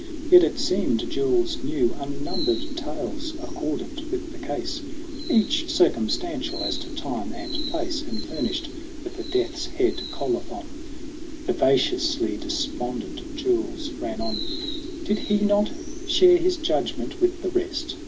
Yet it seemed Jules knew Unnumbered tales accordant with the case, Each circumstantial as to time and place And furnished with a death's head colophon. Vivaciously despondent, Jules ran on. 'Did he not share his judgment with the rest